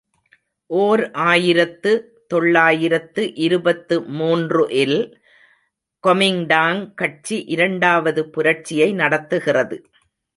ஓர் ஆயிரத்து தொள்ளாயிரத்து இருபத்து மூன்று ல் கொமிங்டாங் கட்சி இரண்டாவது, புரட்சியை நடத்துகிறது.